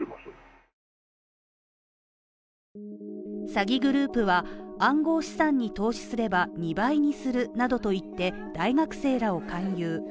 詐欺グループは、暗号資産に投資すれば２倍にするなどと言って大学生らを勧誘。